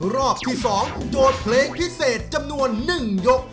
รอบที่๒โจทย์เพลงพิเศษจำนวน๑ยก